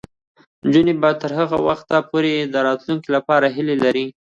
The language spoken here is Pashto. نجونې به تر هغه وخته پورې د راتلونکي لپاره هیله لري.